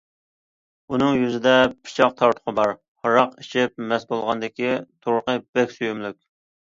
ئۇنىڭ يۈزىدە پىچاق تارتۇقى بار، ھاراق ئىچىپ مەست بولغاندىكى تۇرقى بەك سۆيۈملۈك.